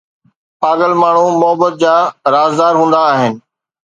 پاگل ماڻهو محبت جا رازدار هوندا آهن